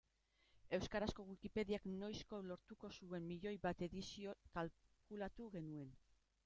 Euskarazko Wikipediak noizko lortuko zuen miloi bat edizio kalkulatu genuen.